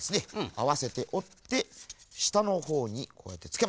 あわせておってしたのほうにこうやってつけます。